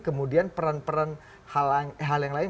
kemudian peran peran hal yang lain